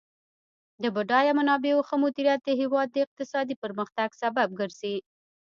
د بډایه منابعو ښه مدیریت د هیواد د اقتصادي پرمختګ سبب ګرځي.